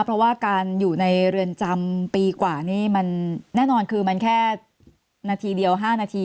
เพราะว่าการอยู่ในเรือนจำปีกว่านี่มันแน่นอนคือมันแค่นาทีเดียว๕นาที